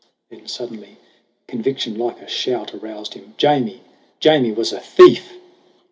Then suddenly conviction, like a shout, Aroused him. Jamie Jamie was a thief!